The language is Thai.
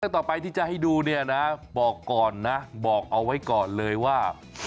ต่อไปที่จะให้ดูเนี่ยนะบอกก่อนนะบอกเอาไว้ก่อนเลยว่า